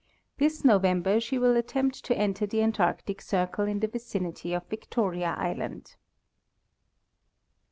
This November she will attempt to enter the Antarctic circle in the vicinity of Victoria land.